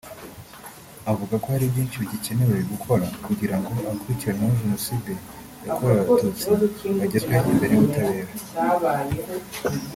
avuga ko hari byinshi bugikeneye gukora kugira ngo abakurikiranyweho Jenoside yakorewe Abatutsi bagezwe imbere y’ubutabera